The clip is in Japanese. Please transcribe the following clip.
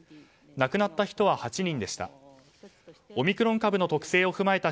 亡くなった人は８人でした。